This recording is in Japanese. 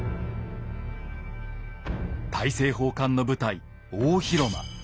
大政奉還の舞台大広間。